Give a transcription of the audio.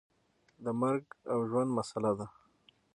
د مرګ او ژوند مسله ده.